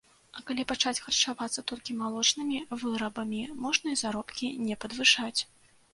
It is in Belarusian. А калі пачаць харчавацца толькі малочнымі вырабамі, можна і заробкі не падвышаць.